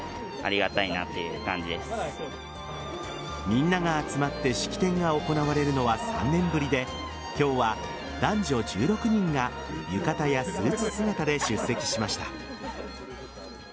みんなが集まって式典が行われるのは３年ぶりで今日は男女１６人が浴衣やスーツ姿で出席しました。